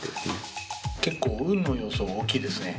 結構運の要素大きいですね。